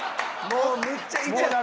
もういっちゃん。